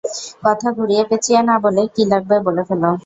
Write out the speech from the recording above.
কথা ঘুরিয়ে প্যাচিয়ে না বলে, কী লাগবে বলে ফেলো।